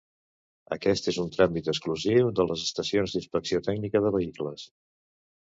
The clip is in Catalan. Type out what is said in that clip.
Aquest és un tràmit exclusiu de les estacions d'inspecció tècnica de vehicles.